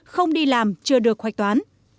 không đi làm chưa được hoạch toán